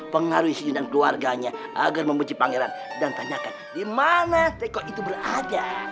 pengaruhi si jun dan keluarganya agar memuji pangeran dan tanyakan di mana tekok itu berada